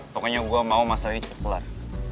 pokoknya gue mau masalah ini cepet keluar